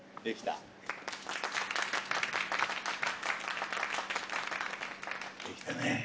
できたね。